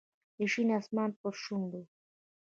د شین اسمان پر شونډو